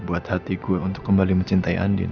buat hati gue untuk kembali mencintai andin